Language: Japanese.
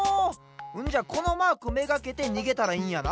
んじゃこのマークめがけてにげたらいいんやな？